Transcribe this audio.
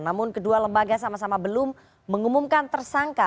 namun kedua lembaga sama sama belum mengumumkan tersangka